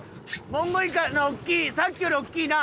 モンゴウイカの大きいさっきより大きいな。